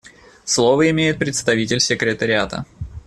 Слово имеет представитель Секретариата.